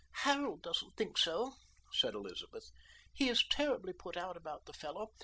"Harold doesn't think so," said Elizabeth. "He is terribly put out about the fellow.